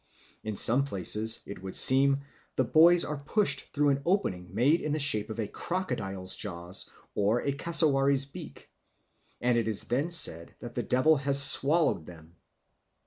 In some places, it would seem, the boys are pushed through an opening made in the shape of a crocodile's jaws or a cassowary's beak, and it is then said that the devil has swallowed them.